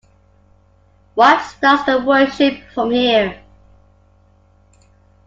One starts the worship from here.